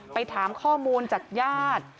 ไปถามข้อมูลจากญาติ